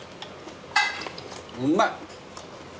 うまい。